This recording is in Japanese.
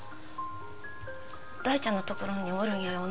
大ちゃんのところにおるんやよな